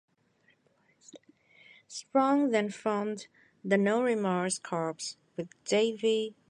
Strong then formed the "No Remorse Corps" with Davey Richards.